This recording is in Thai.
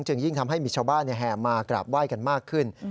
ยิ่งทำให้มีชาวบ้านแห่มากราบไหว้กันมากขึ้น